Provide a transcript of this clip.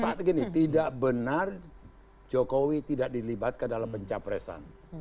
saat ini tidak benar jokowi tidak dilibatkan dalam pencapresan